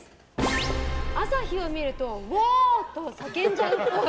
朝日を見るとうぉ！と叫んじゃうっぽい。